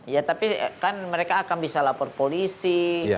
ya tapi kan mereka akan bisa lapor polisi